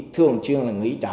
thường xuyên là nghỉ trợ